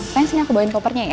kayang sini aku bawain kopernya ya